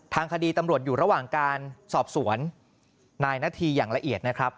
ทางคดีตำรวจอยู่ระหว่างการสอบสวนนายนาธีอย่างละเอียดนะครับ